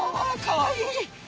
かわいい！